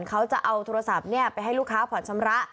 เขาจะเอาโทรศัพท์ไปให้ลูกค้าผ่อนชำระ